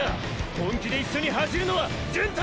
本気で一緒に走るのは純太！